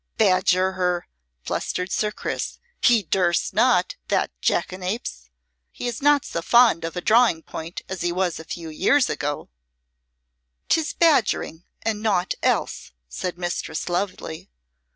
"Badger her!" blustered Sir Chris. "He durst not, the jackanapes! He is not so fond of drawing point as he was a few years ago." "'Tis badgering and naught else," said Mistress Lovely.